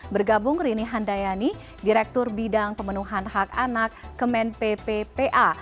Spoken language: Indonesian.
bergabung rini handayani direktur bidang pemenuhan hak anak kemen pppa